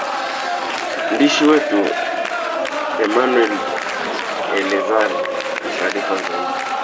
ndishi wetu emanuel elezar na taarifa zaidi